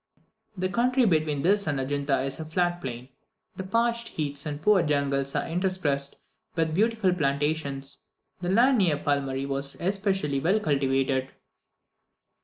The country between this and Adjunta is a flat plain; the parched heaths and poor jungles are interspersed with beautiful plantations. The land near Pulmary was especially well cultivated.